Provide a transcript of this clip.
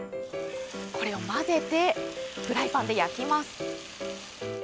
混ぜて、フライパンで焼きます。